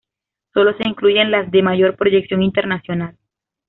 Solo se incluyen las de mayor proyección internacional.